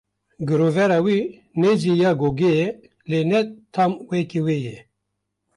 Girovera wê nêzî ya gogê ye, lê tam ne weke wê ye.